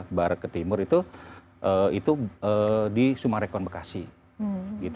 ke barat ke timur itu di sumarekon bekasi